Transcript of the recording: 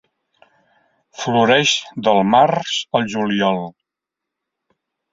Floreix del març al juliol.